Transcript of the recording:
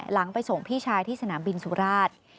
หลังไปส่งพี่ชายที่สนามบินสุราช